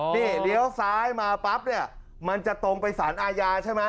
นี่เลี้ยวซ้ายมาปั๊บเนี่ยมันจะตรงไปสารอาญาใช่ไหม